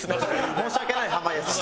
申し訳ない濱家さんに。